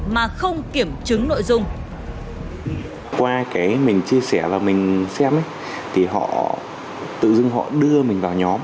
mà không kiểm chuẩn